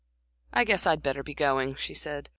"I guess I'd better be going," she said.